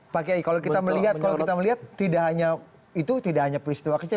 pak kiai kalau kita melihat kalau kita melihat tidak hanya itu tidak hanya peristiwa kecil